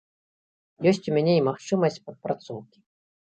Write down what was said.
Ёсць у мяне і магчымасць падпрацоўкі.